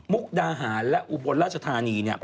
มุกดาหารและอุบลราชธานี